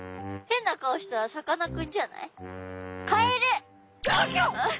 変な顔したさかなクンじゃない？